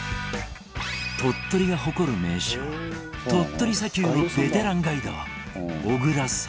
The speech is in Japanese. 鳥取が誇る名所鳥取砂丘のベテランガイド小椋さん